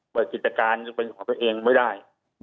เปิดกิจการเป็นของเขาเองไม่ได้